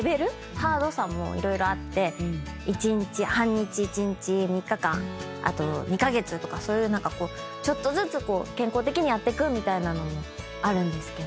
ハードさも色々あって半日１日３日間あと２カ月とかそういうちょっとずつ健康的にやってくみたいなのもあるんですけど。